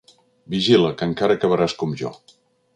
Vigila, que encara acabaràs com jo!